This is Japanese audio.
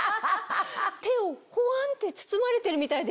手をホワンって包まれてるみたいで。